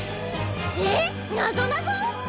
えっなぞなぞ！？